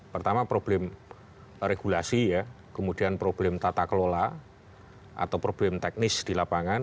pertama problem regulasi ya kemudian problem tata kelola atau problem teknis di lapangan